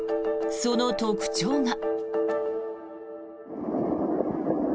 その特徴が。